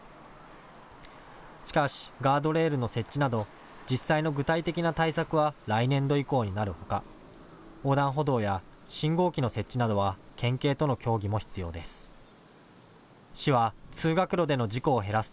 しかしガードレールの設置など実際の具体的な対策は来年度以降になるほか横断歩道や信号機の設置などは県警との協議も必要です。